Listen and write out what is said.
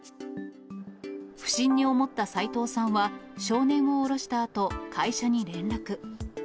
不審に思った斎藤さんは、少年を降ろしたあと、会社に連絡。